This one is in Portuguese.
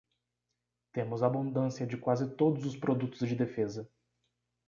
Temos abundância de quase todos os produtos de defesa.